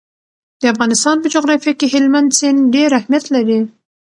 د افغانستان په جغرافیه کې هلمند سیند ډېر اهمیت لري.